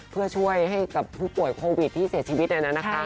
เพื่อช่วยให้กับผู้ป่วยโควิดที่เสียชีวิตในนั้นนะคะ